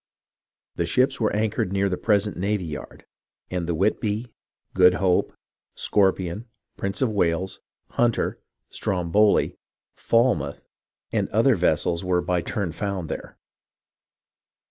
The ships were anchored near the present navy yard ; and the Whitby, Good Hope, Scorpion, Prince of Wales, Hunter, Stromboli, FahnoutJi, and other vessels were by turn found there.